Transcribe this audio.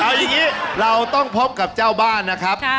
เอาอย่างนี้เราต้องพบกับเจ้าบ้านนะครับ